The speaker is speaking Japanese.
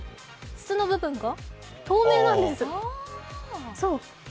筒の部分が透明なんです。